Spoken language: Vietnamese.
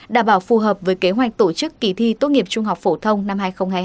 đảm bảo phù hợp với kế hoạch tổ chức kỳ thi tốt nghiệp trung học phổ thông năm hai nghìn hai mươi hai